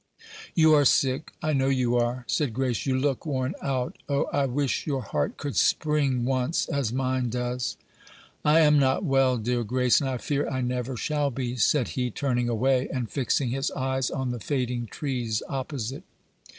"You are sick, I know you are," said Grace; "you look worn out. O, I wish your heart could spring once, as mine does." "I am not well, dear Grace, and I fear I never shall be," said he, turning away, and fixing his eyes on the fading trees opposite.